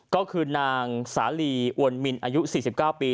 ก็คือนางสาลีอวลมินอายุสี่สิบเก้าปี